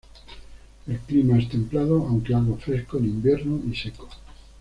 El clima es templado, aunque algo fresco en invierno, y seco.